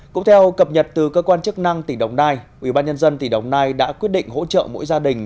cũng theo cập nhật từ cơ quan chức năng tỉnh đồng nai ubnd tỉnh đồng nai đã quyết định hỗ trợ mỗi gia đình